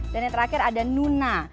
dan yang terakhir ada nuna